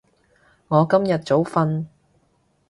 我今晚早瞓